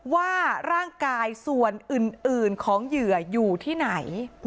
ว่าร่างกายส่วนอื่นของเหยื่ออยู่ที่ไหน